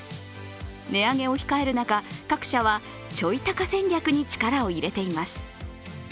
値上げを控える中、各社はちょい高戦略に力を入れています。